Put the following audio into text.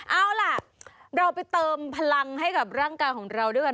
เอาล่ะเราไปเติมพลังให้กับร่างกายของเราด้วยกัน